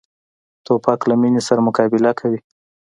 توپک له مینې سره مقابله کوي.